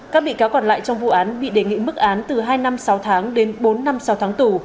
các bị cáo còn lại trong vụ án bị đề nghị mức án từ hai năm sáu tháng đến bốn năm sáu tháng tù